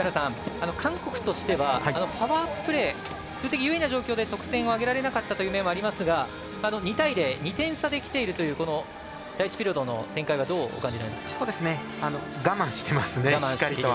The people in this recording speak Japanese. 韓国としては、パワープレー数的優位な状況で得点を挙げられなかったという状況はありますが２対０、２点差できているという第１ピリオドの展開は我慢していますね。